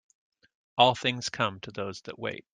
All things come to those that wait.